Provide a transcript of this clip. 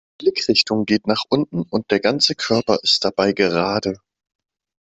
Die Blickrichtung geht nach unten und der ganze Körper ist dabei gerade.